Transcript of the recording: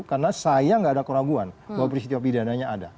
karena saya nggak ada keraguan bahwa peristiwa pidananya ada